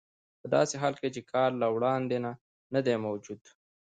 په داسې حال کې چې کار له وړاندې نه دی موجود